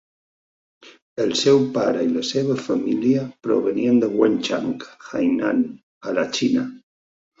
El seu para i la seva família provenien de Wenchang Hainan, a la Xina.